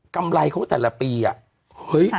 กำไรเขาแต่ละปีอ่ะเฮ้ย